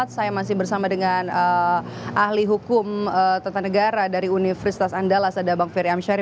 saya masih bersama dengan ahli hukum tata negara dari universitas andalas ada bang ferry amshari